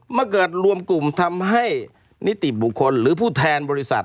เมื่อเกิดรวมกลุ่มทำให้นิติบุคคลหรือผู้แทนบริษัท